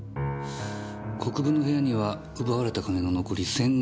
国分の部屋には奪われた金の残り１５００万